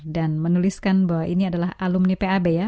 dan menuliskan bahwa ini adalah alumni pab ya